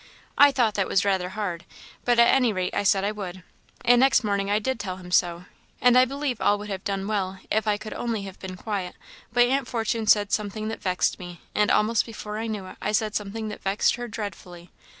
I thought that was rather hard; but at any rate I said I would; and next morning I did tell him so; and I believe all would have done well if I could only have been quiet; but Aunt Fortune said something that vexed me, and almost before I knew it I said something that vexed her dreadfully.